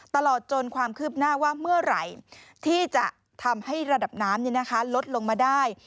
ตลอดจนความคืบหน้าว่าเมื่อไหร่ที่จะทำให้ระดับน้ำลดลงมาได้